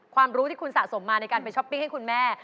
ความรู้ที่คุณสะสมมาในการไปช้อปปิ้งให้คุณแม่